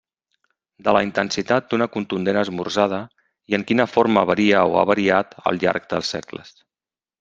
De la intensitat d'una contundent esmorzada i en quina forma varia o ha variat al llarg dels segles.